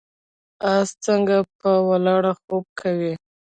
اس څنګه په ولاړه خوب کوي؟